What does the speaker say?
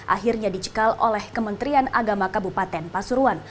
akhirnya dicekal oleh kementerian agama kabupaten pasuruan